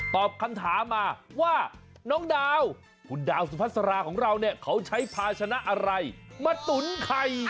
ตอบคำถามมาว่าน้องดาวคุณดาวสุพัสราของเราเนี่ยเขาใช้ภาชนะอะไรมาตุ๋นไข่